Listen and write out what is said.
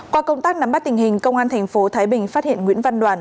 qua công tác nắm bắt tình hình công an tp thái bình phát hiện nguyễn văn đoàn